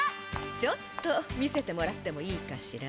ちょっと見せてもらってもいいかしら。